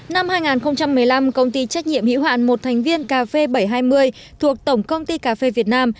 năm hai nghìn một mươi năm công ty trách nhiệm hữu hạn một thành viên cà phê bảy trăm hai mươi thuộc tổng công ty cà phê việt nam